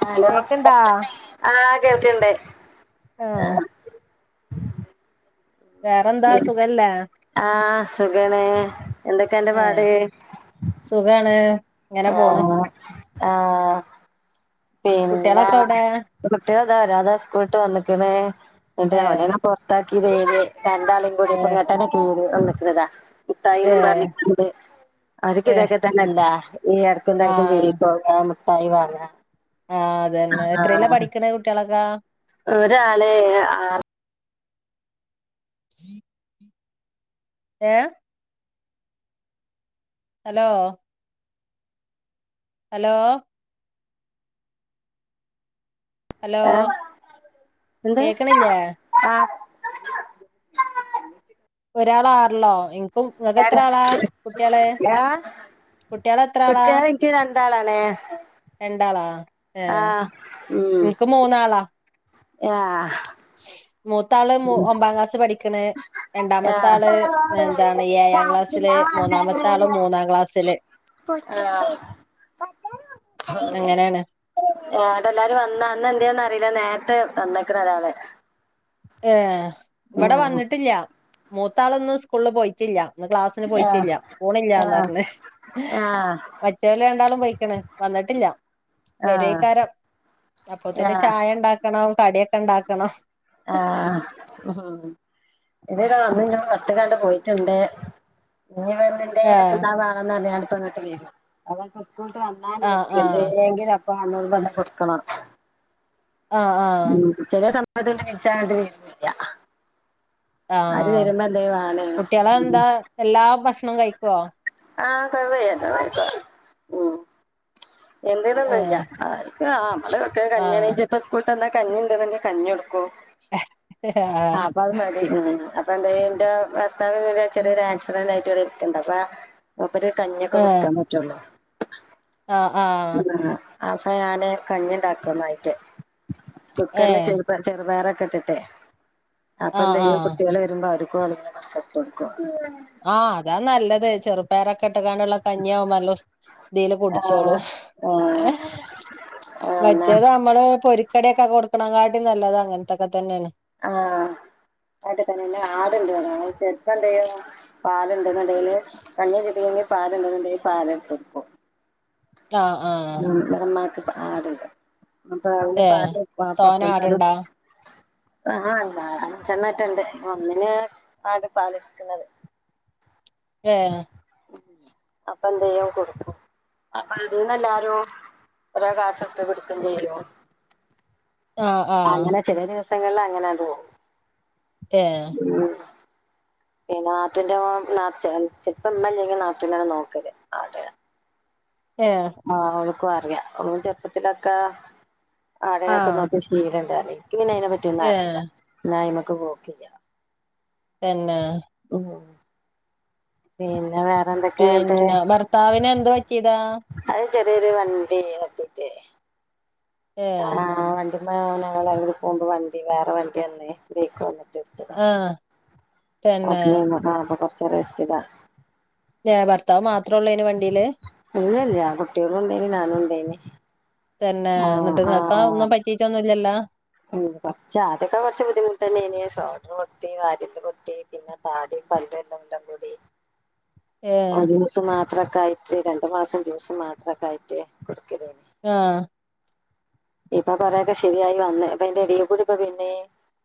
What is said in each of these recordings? Hello കേക്ക്ണ്ടാ ആഹ് കേൾക്ക്ണ്ട് ആഹ് വേറെന്താ ഉം സുഖല്ലേ ആഹ് സുഖാണ്. എന്തൊക്കേ ഏഹ് അന്റെപാട്. സുഖാണ് ഇങ്ങനെ പോണ് ആഹ് ആഹ് പിന്നെ കുട്ടികളൊക്കെ എവിടെ കുട്ട്യാൾതാ ഒരാൾതാ സ്കൂൾട്ട് വന്ന്ക്ക്ണ് ഏഹ് [unintelligible] പൊർത്താ ക്കിതേയ്ന്ന് രണ്ടാളീം കൂടി ഏഹ് ഇപ്പങ്ങട്ടന്നെ കേറിവന്ന്ക്ക്ണ്താ. ഇത്തായാലും ഏഹ് പർനിക്കുണ്ട് അവര്ക്ക് ഏഹ് ഇതൊക്കെ തന്നെല്ല. ഈ അടക്കും തലക്കും ആഹ് കേറി പോവ. മുട്ടായി വാങ്ങ്ങ്ങ. ആഹ് അതന്നെ എത്രയിലാ പഠിക്കണ കുട്ടികളൊക്കെ ഒരാളേ ആ ആർ ഏ ഹലോ ഹലോ ഹലോ ആ എന്ത് കേക്കണില്ലേ ആ ഒരാളാറ്ലൊ ഇൻക്കും ങ്ങക്ക് എത്ര ആളാ കുട്ട്യള് ആ കുട്ടിളത്ര ആളാ കുട്ടികൾ എനിക്ക് രണ്ടാളാണേ രണ്ടാളാ ഏ ആഹ് ഇൻക്ക് മൂന്നാളാ യാ മൂത്താള് ഒമ്പാക്ലാസ് പഠിക്ക്‌ണ് രണ്ടാമത്തെ ആഹ് ആള് എന്താണ് ഏഴാ ക്ലാസ്സില് മൂന്നാമത്തെ ആളും മൂന്നാം ക്ലാസ്സില് അങ്ങനെയാണ് ആ ആടെ എല്ലാരും വന്ന ന്ന് എന്തേന്ന് അറില നേര് റ്റ് വന്ന്ന്ക്ക്ണ ഒരാള് ഏ ഇവട ഉം വന്നിട്ടില്ല മൂത്താളൊന്നും സ്കൂൾ പോയിറ്റ്‌ല്ല ന്ന് ക്ലാസ്സിന് ആഹ് പോയിറ്റ്‌ല്ല ആഹ് പോണില്ലാന്നർഞ് ഏ ആഹ് മറ്റോല് രണ്ടാളും പൊയ്ക്കണ് വന്നട്ടില്ല ആഹ് വരയ്ക്കാരം അപ്പൊതന്നെ ആഹ് ചായണ്ടാക്കണം കടിയക്കെണ്ടാക്കണം ആ ഇതരവന്നില്ല പൊർത്തകണ്ട് പോയിട്ട്ണ്ട് ഇഞ് ആ വരുമ്പന്തേലും തിന്നാൻവാണന്നർഞാ പ ങ്ങട്ടവരും അതാപ്പ സ്കൂൾട്ട് വന്നാല് ആ വര്ക് ആ എന്തേങ്കിലു അപ് പാഞ്ഞൂട്മ്പം ന്തെ കൊടുക്കണോ ആ ആ ഉം ചെലെ സമയത്തണ്ട് വിളിച്ചാണ്ട് വരൂല്യ ആ കുട്ട്യാന്താ എല്ലാ ഭക്ഷണും കഴിക്കോ ആ കൊഴപ്പല്യ ഉം ആ എന്ത്തൊന്നുല്ല അഹ്പ്പ ആ മ്മള്ക്കെ ആ കഞ്ഞിണെച് പ്പ സ്കൂൾട്ടന്ന കഞ്ഞിണ്ട്ന്നങ്കെ കഞ്ഞിഒട് പ്പൊ ആ ആപ്പ അഹ് മതി പണ്ട് എന്റെ ഭർത്താവ് ചെറിയൊരു ആക്സിഡന്റ് ആയിട്ട്ഒര് എന്താപ്പ മൂപ്പര് കഞ്ഞിക്കെ കുടിക്കാൻ പറ്റൊള്ളു അ ആ ആസ ഞാന് കഞ്ഞിണ്ടാക്കന്നായിറ്റ് ഏ കുക്കർലെ ചെറുപ ചെറുപയറ ട്ടിട്ടെ ആഹ് അപ്പൊന്തയ്യും ആഹ് കുട്ടിള് വരുമ്പോ അവർകുഅത് കൊറച്ചെടുത്തൊട്ക്കും ആ അതാ നല്ലത് ചെറുപ്പയറൊക്കെ ഇട്ട്കാണ്ട്ള്ള കഞ്ഞിയാവുമ്പം നല്ല ഉ ന്തെലു കുടിച്ചോളൂ ആഹ് ആഹ് എന്നാ മറ്റേത് മ്മള് പൊരിക്കടിക്കെ കൊടുക്കണകാട്ടി നല്ലത് അങ്ങൻത്തൊക്കെ തന്നെണ് ആ ഏട്ട്തലന്നെ ആട്ണ്ട്വ്ടെ ചെല്പന്ത്യ്യും പാലുണ്ട്ന്ന്ണ്ടേല് കഞ്ഞിചെട്ട പാല്ണ്ടങ്കി പാല്ട്ത്തക്കു ആഹ് ആഹ് ആ ഇവടെമ്മാക്ക് ആട്ണ്ട് അപ്പ [unintelligible] ഏഹ് പാല് വാ തോനെ കൊറച്ചന്താലും ആട്ണ്ടാ ആ അ ആട നാലഞ്ചണ്ണറ്റെട്ട്ണ്ട് ഒന്നിനെ ആകെ പാല്ട്കണത് ഏ അപ്പൊന്തയ്യ കൊടുക്കൊ അപ്പൊ അതിന്ന്ല്ലാരും ഒരെ ക്ലാസ്ട്ത് കുടിക്കും ചെയ്യലൊ ആ ആ ഞങ്ങൾ അങ്ങനണ്ട് പോവു ഏ പിന്ന നാതുന്റെ മോൻ ചെൽ ചെൽപമ്മല്ലെങ്കില് നാത്തുനാണ് നോക്കല് ആട ഏഹ് ആ അവൾക്കു അറിയ അവൾ ചെറുപ്പത്തിലൊക്കെ ആട്നൊക്കെ ആഹ് നോക്കി ശീലണ്ട് ആദ്യ ഇൻക് പിന്നെ അയിനെ പറ്റിയൊന്നും അറീല ഏഹ് ന്നയ്മ ക്ക്‌ പോക്ക്‌ല്ല തന്നെ മ്മ് പിന്നെ വേ പിന്നെ ഭർത്താവിന് എന്ത് പറ്റീതാ അത് ചെറിയൊരു വണ്ടി തട്ടിയിറ്റെ ഏഹ് ആഹ് ഞങ്ങള് അവിടെ പോകുമ്പോൾ വണ്ടി വേറെ വണ്ടി വന്ന് ബൈക്ക് വന്ന് റ്റ് ഇടിച്ചതാ ആഹ് അപ്പം തന്നെ പിന്നെ അപ്പൊ കുറച്ച് റെസ്റ്റിലാ ഏ ഭർത്താവ് മാത്രേള്ളൊനി വണ്ടീല് ഞാ കുട്ടികളും ഉണ്ടായിനി ഞാനും ഉണ്ടായിനി തന്നെ എന്നിട്ട് നിങ്ങൾക്കോ ഒന്നും പറ്റിയിട്ടൊന്നുംല്ലല്ലോ മ്മ് കൊറച്ച് ആദ്യൊക്കെ കുറച്ച് ബുദ്ധിമുട്ടന്നെനി. ഷോർഡറ് പൊട്ടി വാരിയെല്ല് പൊട്ടി പിന്നെ താടി [unintelligible] എല്ലാം കൂടി ആ ഏഹ് ജ്യൂസ് മാത്രൊക്കെ ആയിട്ട് രണ്ടു മാസം ജ്യൂസ് മാത്രക്കായിട്ട് കുടിക്കലേനി ആഹ് ഇപ്പൊ കൊറെയൊക്കെ ശെരിയായി വന്ന് അപ്പയിന്റെ എടെകൂടി ഇപ്പ പിന്നെ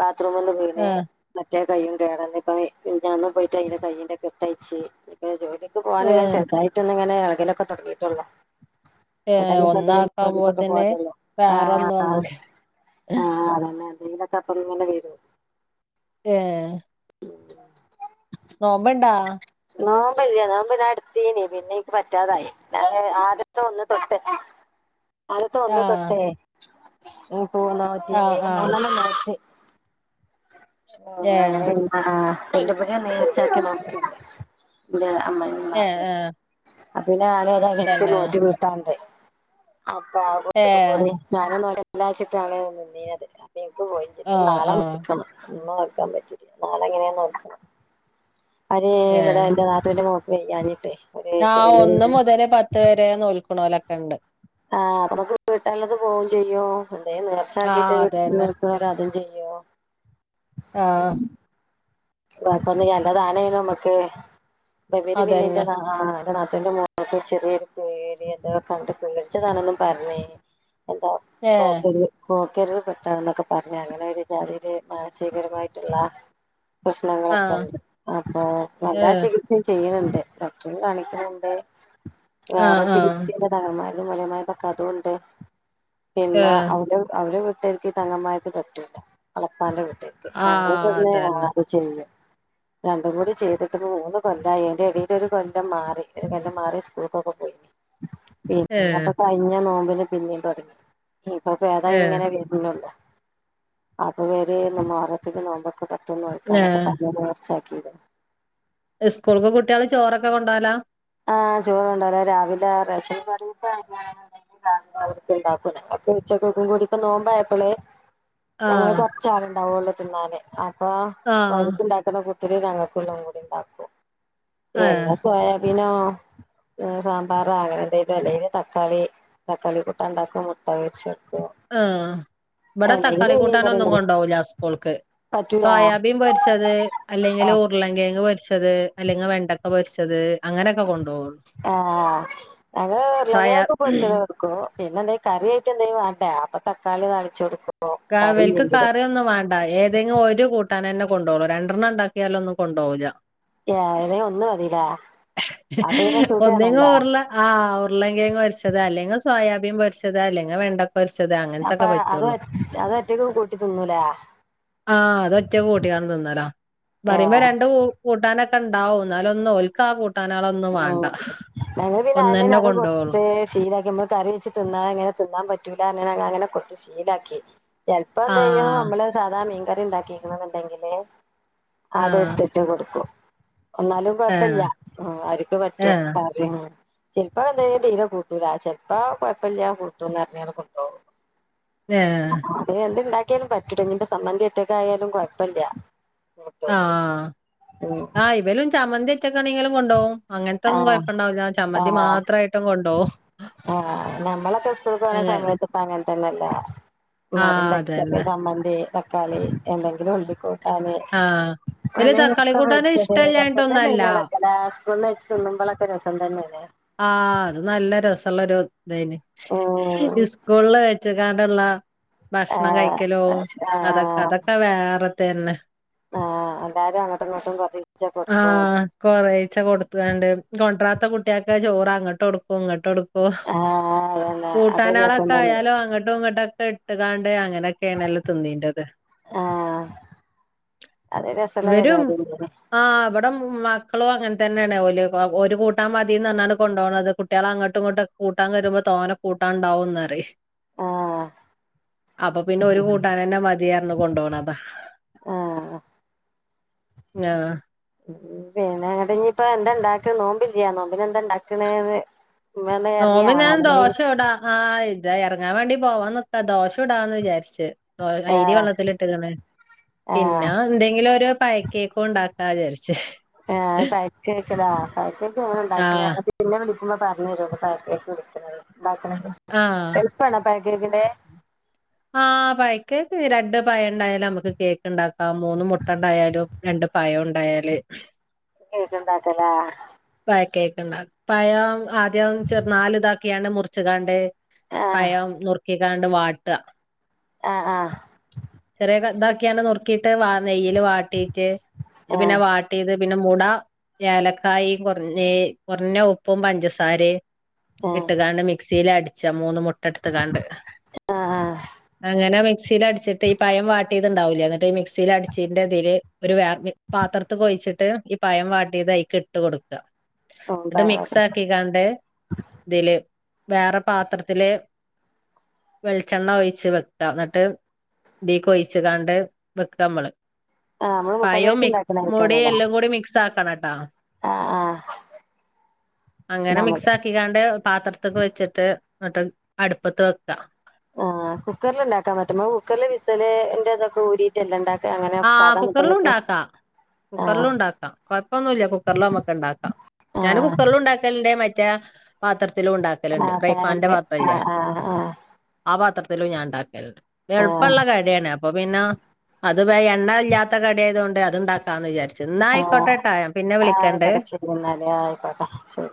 ബാ ത്റൂമ്ന്ന് വീണ്. ആഹ് മ റ്റേ കയ്യും കേടന്ന്. ഇപ്പ മിൻ മിനിഞ്ഞാന്ന് പോയിട്ട് അയിന്റെ കയിന്റെ കെട്ടയിച്ച് ഇഞ്പ്പോ ജോ ലിക്ക് പോവാനിങ്ങനെ ഏഹ് ചെറുതായിട്ടൊന്ന് ഇങ്ങനെ ഇളകലൊക്കെ തൊടങ്ങീട്ടൊള്ളു ഏഹ് ഒന്നാക്കാൻ പോകുമ്പ തന്നെ പോകാറുള്ളൂ വേറോന്ന് വന്ന് ന്നെ എന്തെങ്കിലൊക്കപ്പങ്ങനെ വരും ഏഹ് നോമ്പ് ഇണ്ടാ നോമ്പില്ല നോമ്പ് ഞാ ഇട്ത്തീനി പിന്നെ ഇൻക്ക് പറ്റാതായി [unintelligible] ഞാൻ ആദ്യത്തെ ഒന്ന് തൊട്ട് ആദ്യത്തെ ഒന്ന് ആഹ് തൊട്ടേ ആഹ് ആഹ് [unintelligible] ഏഹ് അങ്ങനെ [unintelligible] അമ്മായിമ്മിം ഏഹ് നാത്തൂനും. ഏഹ് അപ്പ പിന്നെ ഞാന് ഏതായാലും ഇൻക്ക് തന്നെ നോറ്റ് വീട്ടാൻണ്ട് അപ്പ ഏഹ് [unintelligible] ഞാനൊന്നും ഇവടല്ലാച്ചിട്ടാണ് നിന്നീനത് ഇന്നിൻക്ക് പോയി ചെയ്ത് ഇനി ആഹ് നാളെ ആഹ് നോൽക്കണം ഇന്ന് നോൽക്കാൻ പറ്റിട്ടില്ല നാളെ എങ്ങനെലും നോക്കണം അയിന് ഇവിടെ ഏഹ് എന്റെ നാത്തൂൻ്റെ മോ വയ്യാഞ്ഞിട്ടെ ആഹ് ഒന്ന് മുതല് പത്ത് വരെ നോൽക്കണോലൊക്കെ ഉണ്ട് ആഹ് അപ്പമ്മക്ക് വീട്ടാൻ ഇള്ളത് പോകും ചെയ്യും എന്തെലും ആഹ് നേർച്ചാക്കീട്ട് അതന്നെ നോൽക്ണോല് അതും ചെയ്യും യ്യോ ആഹ് അപ്പന്ന് [unintelligible] നമ്മക്ക് ഇപ്പവര് പിന്നിൻ്റെ അതന്നെ ആഹ് [unintelligible] നാത്തുന്റെ മോക്ക് ചെറിയൊരു പേടി അത് [unintelligible] കണ്ട് പേടിച്ചതാണന്നും പർഞ്ഞ് എന്താ ഇപ്പോ ഏഹ് ഓൾക്കൊരു പോക്കറിവ് പെട്ടതാ എന്നൊക്കെ പറഞ്ഞ് അങ്ങനെ ഒരു ജാതി ഒര് മാനസികരമായിട്ടുള്ള പ്രശ്നങ്ങളൊക്കെ ആഹ് ഇണ്ട് അപ്പൊ എല്ലാ ഏഹ് ചികിത്സയും ചെയ്യ്ണ് ണ്ട്. ഡോക്ടറിം കാണിക്കണണ്ട് വേറെ ആഹ് ആഹ് ചികിത്സിണ്ട് തങ്ങൻമ്മാര് തും മോല്യെമാര്തൊക്കെ അതും ഉണ്ട് പിന്നെ ഏഹ് അവ്ടിം [unintelligible] [unintelligible] ഈ തങ്ങമ്മാരത് പറ്റൂല്ല ഒളത്താന്റെ വീട്ട്ക്ക് ഞങ്ങൾ പ്പ ആഹ് ന്ന് അതന്നെ ആഹ് [unintelligible] രണ്ടും കൂടി ചെയ്തിട്ട് മൂന്ന് കൊല്ലായി അതിൻ്റെ ഇടെൽ ഒരു കൊല്ലം മാറി ഒരു കൊല്ലം മാറി സ്കൂൾക്കൊക്കെ പോയി ഏഹ് പിന്നെപ്പോ കഴിഞ്ഞ നോമ്പിന് പിന്നെയും തുടങ്ങി ഇപ്പൊ സുഖമായി ഏഹ് ഇങ്ങനെ വരുന്നുള്ളു അതു വരെ മുഹ ത്തേക്ക് നോമ്പൊക്കെ പെട്ടന്ന് വെക്കാനൊക്കെ പറച്ച ക്കിയത് ക്കെ കൊണ്ടാവലാ? ആഹ് ചോറോണ്ടോവല രാവിലെ റേഷങ്കിടീത്തെ അരിയാണെങ്കിൽ രാവിലെ അവർക്ക് ഉണ്ടാക്ക [unintelligible] ക്കും കൂടി ഇപ്പ നോമ്പയപ്പോളെ ഞങ്ങള് ആഹ് കൊറച്ചാളുണ്ടാവോള്ളൂ തിന്നാന് അപ്പൊ ആഹ് അവർക്ക് ണ്ടാക്കുന്ന കുട്ട ത്തില് ഞങ്ങക്കള്ളതും കൂടിണ്ടാക്കും ഏഹ് എന്നും സോയാബീനോ സാമ്പാറ അങ്ങനെ എന്തെങ്കിലും അല്ലെങ്കിൽ തക്കാളി തക്കാളി കൂട്ടാൻ ണ്ടാക്കും മുട്ടവൊരിച്ചും ആഹ് ഇവിടെ തക്കാളി മീൻ കൂട്ടാനൊന്നും കറിണ്ടാക്കും കൊണ്ടാവൂല്ല സ്കൂൾക്ക് പറ്റൂല സോയാബീൻ പൊരിച്ചത് അല്ലെങ്കിൽ ആഹ് ഉരുളങ്കേങ്ങ് പൊരിച്ചത്. ച്ചത് അല്ലെങ്കിൽ വെണ്ടക്ക പൊരിച്ചത് അങ്ങനെയൊക്കെ കൊണ്ടോവുള്ളൂ ആഹ് ഞങ്ങൾ സോയാ ഉർലൻകേങ് പൊരിച്ചത് കൊടുക്കും പിന്നെ എന്താ കറിയായിട്ട് എന്തേലും വേണ്ടേ അപ്പൊ തക്കാളി താളിച്ചു കൊടുക്കും ക വൽക്ക് കറിയില്ലെങ്കില് കറിയൊന്നും വേണ്ട ഏതെങ്കിലും ഒരു കൂട്ട ട്ടൻ തന്നെ കൊണ്ട് പോകൂ രണ്ടെണ്ണം ഉണ്ടാക്കിയലൊന്നും കൊണ്ടു പോവൂല്ല ഏതേ ഒന്ന് മതില്ലേ അപ്പൊ പിന്നെ [unintelligible] ഒന്നെങ്ങോ സുഖാണല്ലോ ഉർള ആഹ് ഉരുളംകേങ് പൊരിച്ചത് അല്ലെങ്കിൽ സോയാബീൻ പൊരിച്ചത് അല്ലെങ്കിൽ വെണ്ടക്കൊരിച്ചത് അങ്ങനത്തൊക്കെ പറ്റോള്ളൂ. അതൊറ്റക്ക് കൂട്ടി തിന്നൂലേ? ആഹ് അതൊറ്റകൂട്ടിക്കാണ്ട് തിന്നലാ പറയുമ്പോ ഏഹ് രണ്ട് കൂട്ട നൊക്കെ ഉണ്ടാവും എന്നാലൊന്നും ഒൽക്കാ കൂട്ടാനാളൊന്നും വേണ്ട ഞങ്ങൾ പിന്നെ ആദ്യംതന്നെ ഒന്നന്നെ അത് കൊണ്ടോവുള്ളൂ കൊടുത്ത് ശീലാക്കി നമ്മൾ കറി വെച്ച് തിന്നാതെ അങ്ങന തിന്നാൻ പറ്റൂല അങ്ങനെ ങ്ങനെ കൊ ശീലാക്കി ചിലപ്പോ ആ എന്തെയ്യും നമ്മള് സാധാ മീൻകറിണ്ടാക്കിക്ണ്ന്ന്ണ്ടെങ്കില് ആഹ് അതെടുത്തിട്ട് കൊടുക്കും ന്നാലും ആഹ് കൊഴപ്പല്ല അവർക്ക് പറ്റും ആഹ് കറി ചെലപ്പോ എന്ത തീരെ കൂട്ടൂല ചെലപ്പോ കൊഴപ്പല്ല കൂട്ടുംന്ന്റഞ്ഞണ്ട് കൊണ്ടോവും. ഏഹ് അത് എന്തുണ്ടാക്കിയാലും പറ്റൂട്ട ഇനിയിപ്പ സമ്മന്തി ഒറ്റക്കയാലും കൊഴപ്പില്ല കൂട്ടും ആഹ് ഉം ആ ഇവലും ചമന്തിയൊറ്റക്കാണെങ്കിലും കൊണ്ടോവും അങ്ങനത്തെന്നും ആഹ് കുഴപ്പണ്ടാവില്ല ചമ്മന്തി ആഹ് മാത്രായിട്ടും കൊണ്ടോവും ആഹ് നമ്മളൊക്കെ സ്കൂൾകോണ അങ്ങനെ സമയത്ത് ഇപ്പ അങ്ങനെതന്നെല്ലേ ആഹ് അതന്നെ [unintelligible] സമ്മന്തി തകാളി അല്ലെങ്കി ഉള്ളികൂ അതെ ആഹ് ഇവല് അല്ലേൽ തക്കാളി കൂട്ടാന് മുട്ടപൊരിച്ചത് രസം ഇഷ്ടല്ലായിട്ടൊന്നല്ല തന്നെയ്ന് അതൊക്കെലേ. ന തിുമ്പളൊക്കെ രസം തന്നെയാണ് ആഹ് അത് നല്ല രസള്ളരു ഇതയ്ന് ഉം സ്കൂളില് വേ ച്ചുകാണ്ടള്ള ഭക്ഷണം ആഹ് കഴിക്കലും അതൊ ആഹ് അതൊക്കെ വേറെ തന്നെ. ആഹ് എല്ലാരും അങ്ങോട്ടും ഇങ്ങോട്ടും കൊറച്ചീച്ചെ കൊടുക്കും ആഹ് കൊറേച്ച കൊടുത്തുങ്ങാണ്ട് കൊണ്ട്ര [unintelligible] ചോറ് അങ്ങട്ടൊടുക്കും ഇങ്ങട്ട് ടുക്കും ആഹ് അതന്നെ അതൊരു രസം കൂട്ടാനാളൊക്കെ തന്നെ ആയാലും അങ്ങട്ടും ഇങ്ങട്ടൊക്കെ ഇട്ട് ങ്ങാണ്ട് അങ്ങനെക്കെയാണല്ലോ തിന്നീനത്. ആഹ് അത് രസള്ള ഇവരും പരിപാടിയന്നേനി ആഹ് വിടെ മു മക്കളും അങ്ങനെ തന്നെയാണ് ഓല് ഒരു കൂട്ടാൻ തീ ന്നറിഞുങ്ങാണ്ട് കൊണ്ടോണത് കുട്ടിയാളങ്ങട്ടും ഇങ്ങട്ടും ഒക്കെ കൂട്ടാൻ തരുമ്പോ തോന കൂട്ടാ ഉണ്ടാവുന്നറി ആഹ് അപ്പൊ പിന്നെ ഒരു കൂട്ടാനന്നെ മതീറഞ്ഞു കൊണ്ടോണതാ ആഹ് ഉം പിന്ന ങ്ങട്ട് ഇനിയിപ്പ എന്തണ്ട നോമ്പില്യാ നോമ്പിനന്താ ഉണ്ടാകണെന്ന് നോമിന് ഞാൻ ദോശടാ ആഹ് ഇത ഇറങ്ങാൻ വേണ്ടി പോവാനിക്കാ ദോശടാന്ന് വിചാരിച്ച്. അയ്രി ആഹ് വെള്ളത്തിലിട്ട് ക്ണ് പിന്നെ ആഹ് എന്തെങ്കിലും ഒരു പയക്കേക്കും ഉണ്ടാ ആജാരിച്ച [unintelligible] ആഹ് പഴക്കേക്ക് ലാ പഴക്കേക് അങ്ങനെണ്ടാക്കല് ആഹ് പിന്നെ വിളി പറഞ്ഞരോണ്ടു പഴക്കേക്ക് വിളിക്കണെങ്ക ആഹ് ഉണ്ടാക്കിനൊക്കെ എളുപ്പ [unintelligible] ആ പഴ കേക്ക് രണ്ട് പഴ ഉണ്ടായാലും നമുക്ക് കേക്ക് ഉണ്ടാക്കാം മൂന്ന് മുട്ട ഉണ്ടായാലും രണ്ട- പയ ഉണ്ടായാല് നീ ഏത് ഇണ്ടാക്കല കേക്കണ്ട പയം ആദ്യം ചെറു നാല് ഇതാക്കിയാണ് മുറിച്ച കാണ്ട- ആഹ് പയം നുറുക്കിക്കാണ്ട് വാട്ടുക ആഹ ആഹ ഇങ്ങനെ നുക്കിട്ട് നെയിലെ വാട്ടിട്ട് പിന്നെ ആഹ് പിന്നെ മുട ഏലക്കായ കുറഞ്ഞ കുറഞ്ഞ ഉപ്പും പഞ്ചസാര ഇട്ട കാണ്ട് മിക്സിയില അടിച്ച മൂന്ന മുട്ടെടുത്ത കാണ്ട് ആഹ് ആഹ് അങ്ങനെ മിക്സിൽ അടിച്ചിട്ട് ഈ പയം വാട്ടിയത്തുണ്ടാവില്ലേ എന്നിട്ട്ഈ മിക്സിൽ അടിച്ചിന്റെ ഇതില് ഒരു വേറേ പാത്രത്തിഒഴി - ഒഴിച്ചിട്ട് ഈ പയം വാട്ടിയതായി ഇട്ട് കൊടുക്കുക ഇട്ട് ആഹ് മിക്സ ആഹ് ആാക്കി കണ്ട ഇതില് വേറെ പാത്രത്തിലെ- എണ്ണ ഒഴിച്ച് വെക്കുക എന്നിട്ട് ഇീക്ക് ഒഴച്ച് കണ്ട് വെക്കുക നമ്മള്- നമ്മള് മുട്ട പയോ കേക്ക് ഇണ്ടാക്കണ മുടിയ എല്ലാം കൂടി മിക്സ് ആക്കണംട്ടോ ആഹ ആഹ അങ്ങനെ മിക്സ് ആക്കിക്കാണ്ട് പാത്രത്തൊക്കെ വെച്ചിട്ട്- എന്നിട്ട് അടുപ്പത്ത് വെക്കാ ഓ കുക്കറിൽ ഉണ്ടാക്കാൻ പറ്റുമ അ കുക്കറിൽ വിസലന്റെ ഇതൊക്കെ ഊരിയിട്ട്ല്ലാംണ്ടാക്ക- ആഹ കുക്കറിലും ഉണ്ടാക്കാം ആ കുക്കറിലും ഉണ്ടാക്കാം കൊഴപ്പൊന്നുമല്ല കുക്കറിൽ നമുക്ക് ഉണ്ടാക്കാം ആ ഞാൻ കുക്കറില- ഉണ്ടാക്കലിന്റെ- പാത്രത്തില ആ ഉണ്ടാക്കലുണ്ട് ഫ്രൈപന്റെ പാനില് ആ പാത്രല്ല ആ ആ പാത്ര- ഞാൻ ഉണ്ടാക്കല ആ എളുപ്പമുള്ള കഴിയാണ് അപ്പൊ പിന്നെ- അത് എണ്ണ ഇല്ലാത്ത കടിയായത കൊണ്ട് അതുണ്ടാക്കാ എന്ന് വിചാരിച്ചു ആ എന്നായിക്കോട്ടെ ട്ടാ പിന്നെ ആ വിളിക്കണ്ട ആയിക്കോട്ടെ ശരി എന്നാല് ആയിക്കോട്ടെ ശരി